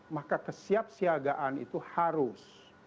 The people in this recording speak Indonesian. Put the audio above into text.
maka kesiapsiagaan itu harus